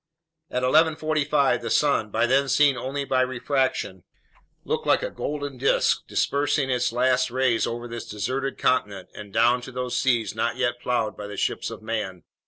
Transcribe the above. At 11:45 the sun, by then seen only by refraction, looked like a golden disk, dispersing its last rays over this deserted continent and down to these seas not yet plowed by the ships of man.